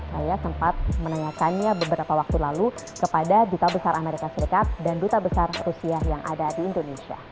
saya sempat menanyakannya beberapa waktu lalu kepada duta besar amerika serikat dan duta besar rusia yang ada di indonesia